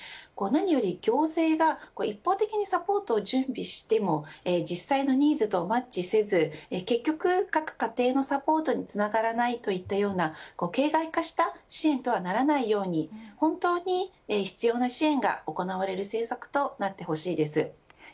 何より、行政が一方的にサポートを準備しても実際のニーズとマッチせず結局各家庭のサポートにつながらないといったような形骸化した支援とはならないように本当に必要な支援が行われる政策となってほしいです。